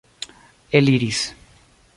eliris